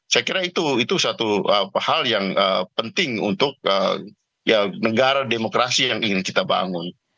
saya kira itu satu hal yang penting untuk negara demokrasi yang ingin kita bangun